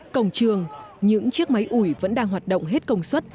cổng trường những chiếc máy ủi vẫn đang hoạt động hết công suất